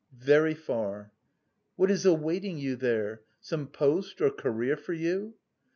"Very far." "What is awaiting you there? Some post or career for you?"